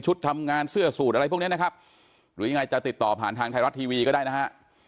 ทำงานเสื้อสูตรอะไรพวกนี้นะครับหรือยังไงจะติดต่อผ่านทางไทยรัฐทีวีก็ได้นะฮะ